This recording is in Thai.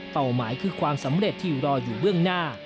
หมายคือความสำเร็จที่รออยู่เบื้องหน้า